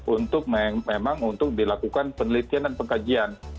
untuk memang untuk dilakukan penelitian dan pengkajian